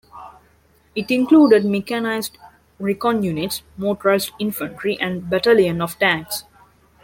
It included mechanized recon units, motorized infantry, and a battalion of tanks.